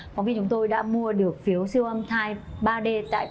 phóng viên chúng tôi đã mua được giấy siêu âm giả của phòng khám một trăm hai mươi năm thái thị